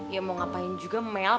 ya mau ngapain juga mel